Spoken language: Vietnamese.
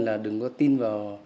là đừng có tin vào